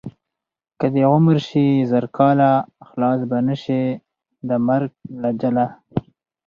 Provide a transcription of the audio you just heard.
که دې عمر شي زر کاله خلاص به نشې د مرګ له جاله.